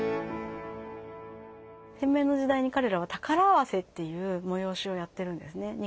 天明の時代に彼らは宝合わせっていう催しをやってるんですね